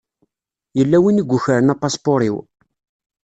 Yella win i yukren apaspuṛ-iw.